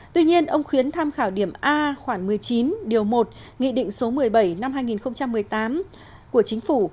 tuy nhiên ông khuyến tham khảo điểm a khoảng một mươi chín điều một nghị định số một mươi bảy năm hai nghìn một mươi tám của chính phủ